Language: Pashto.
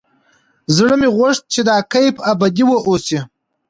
زړه مې غوښت چې دا کيف ابدي واوسي.